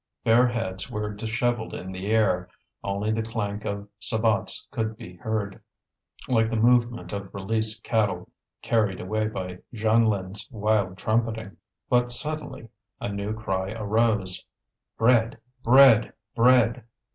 Bare heads were dishevelled in the air; only the clank of sabots could be heard, like the movement of released cattle, carried away by Jeanlin's wild trumpeting. But suddenly a new cry arose: "Bread! bread! bread!"